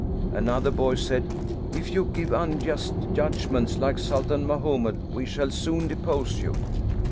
Another boy said: " If you give unjust judgments like Sultan Mahomed we shall soon depose you."